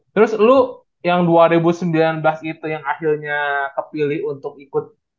terus lu yang dua ribu sembilan belas itu yang akhirnya kepilih untuk ikut